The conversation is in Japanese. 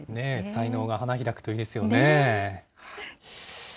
才能が花開くといいですよね。